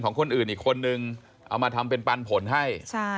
คนอื่นอีกคนนึงเอามาทำเป็นปันผลให้